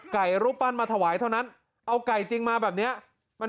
รูปปั้นมาถวายเท่านั้นเอาไก่จริงมาแบบเนี้ยมัน